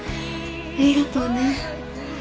ありがとうね。